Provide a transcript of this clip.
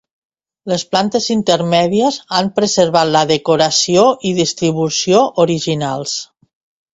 Les plantes intermèdies han preservat la decoració i distribució originals.